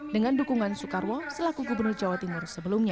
dengan dukungan soekarwo selaku gubernur jawa timur sebelumnya